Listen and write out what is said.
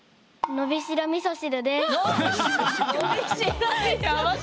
「のびしろみそ汁」。